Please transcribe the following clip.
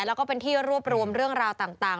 แล้วก็เป็นที่รวบรวมเรื่องราวต่าง